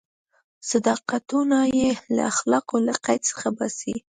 صداقتونه یې له اخلاقو له قید څخه باسي.